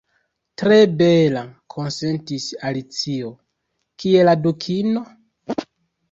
"Tre bela," konsentis Alicio. "Kie la Dukino?"